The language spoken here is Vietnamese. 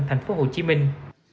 thành phố hồ chí minh